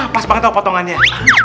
pas banget tau potongannya